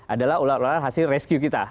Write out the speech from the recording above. adalah ular ular hasil rescue kita